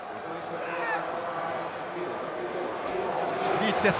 リーチです。